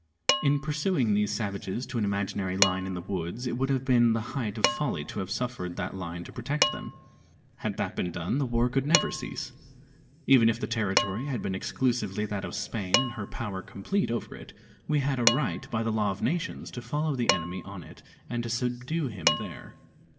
In pursuing these savages to an imaginary line in the woods it would have been the height of folly to have suffered that line to protect them. Had that been done the war could never cease. Even if the territory had been exclusively that of Spain and her power complete over it, we had a right by the law of nations to follow the enemy on it and to subdue him there.